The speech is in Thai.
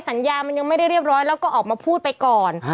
สัญญามันยังไม่ได้เรียบร้อยแล้วก็ออกมาพูดไปก่อน